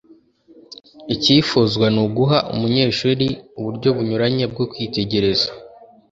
icyifuzwa ni uguha umunyeshuri uburyo bunyuranye bwo kwitegereza,